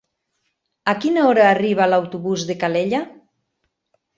A quina hora arriba l'autobús de Calella?